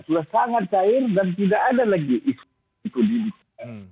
sudah sangat cair dan tidak ada lagi isu itu di situ